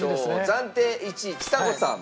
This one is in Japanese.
暫定１位ちさ子さん。